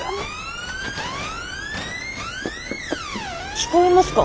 聞こえますか？